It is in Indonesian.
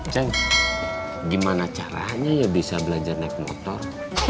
ceng gimana caranya ya bisa belajar naik motor